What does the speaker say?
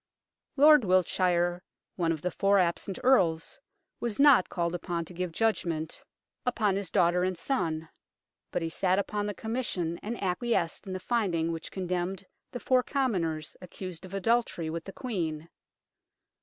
Lord Wiltshire, one of the four absent Earls, was not called upon to give judgment upon his THE BAGA DE SECRETIS 159 daughter and son, but he sat upon the Commission and acquiesced in the finding which condemned the four commoners accused of adultery with the Queen.